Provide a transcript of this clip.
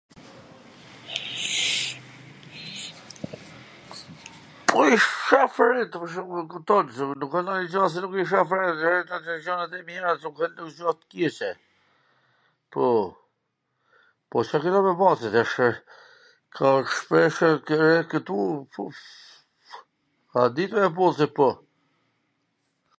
Po i shof ret, pwr shembull, kupton, se nuk wsht nonjw gjw se nuk i shof ret, jan gjanat e mira, se un vet s dua t keqen, Po... Po a kena me ba .. se shpesh ke ret kwtu... a e ditur ajo pun se po...